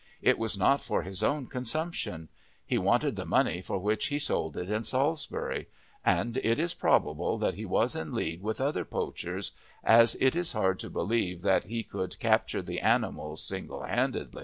It was not for his own consumption; he wanted the money for which he sold it in Salisbury; and it is probable that he was in league with other poachers, as it is hard to believe that he could capture the animals single handed.